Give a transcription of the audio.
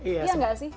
iya gak sih